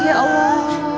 aduh ya allah